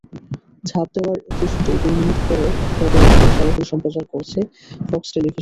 ঝাঁপ দেওয়ার দৃশ্যটি দুই মিনিট ধরে সরাসরি সম্প্রচার করেছে ফক্স টেলিভিশন।